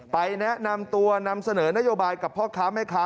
แนะนำตัวนำเสนอนโยบายกับพ่อค้าแม่ค้า